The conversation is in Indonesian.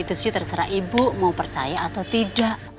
itu sih terserah ibu mau percaya atau tidak